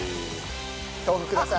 豆腐ください。